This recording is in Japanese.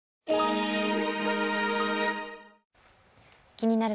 「気になる！